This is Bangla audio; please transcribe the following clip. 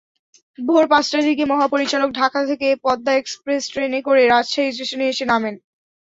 ভোর পাঁচটার দিকে মহাপরিচালক ঢাকাথেকে পদ্মা এক্সপ্রেস ট্রেনে করে রাজশাহী স্টেশনে এসে নামেন।